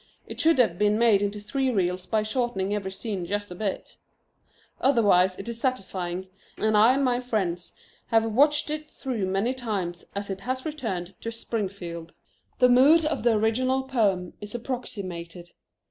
It should have been made into three reels by shortening every scene just a bit. Otherwise it is satisfying, and I and my friends have watched it through many times as it has returned to Springfield. The mood of the original poem is approximated.